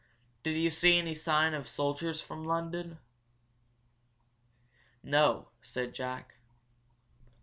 "Did you see any sign of soldiers from London?" "No," said Jack.